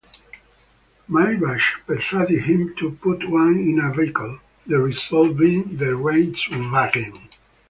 Maybach persuaded him to put one in a vehicle, the result being the Reitwagen.